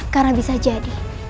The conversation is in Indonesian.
karena bisa jadi